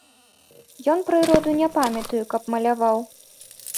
Ён прыроду, не памятаю, каб маляваў.